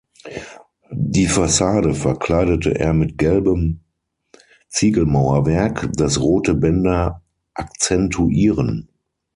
Die Fassade verkleidete er mit gelbem Ziegelmauerwerk, das rote Bänder akzentuieren.